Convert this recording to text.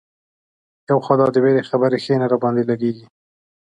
یو خو دا د وېرې خبرې ښې نه را باندې لګېږي.